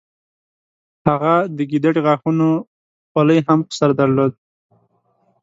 هغه د ګیدړې غاښونو خولۍ هم په سر درلوده.